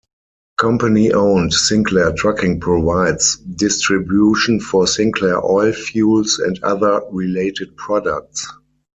Company-owned Sinclair Trucking provides distribution for Sinclair Oil fuels and other related products.